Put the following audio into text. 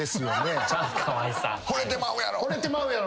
「ほれてまうやろ！」